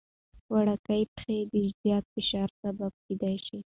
وړوکي پېښې د زیات فشار سبب کېدای شي.